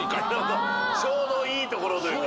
ちょうどいい所というか。